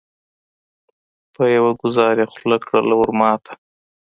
په یوه گوزار یې خوله کړله ورماته